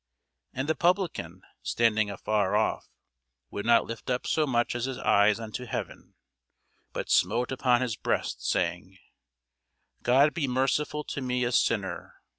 And the publican, standing afar off, would not lift up so much as his eyes unto heaven, but smote upon his breast, saying, God be merciful to me a sinner.